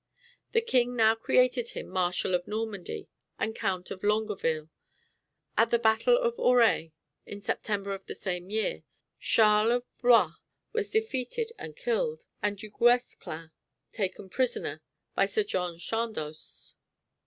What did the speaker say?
The king now created him Marshal of Normandy and Count of Longueville. At the battle of Auray, in September of the same year, Charles of Blois was defeated and killed, and Du Guesclin taken prisoner, by Sir John Chandos.